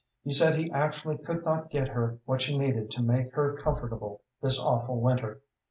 He said he actually could not get her what she needed to make her comfortable this awful winter.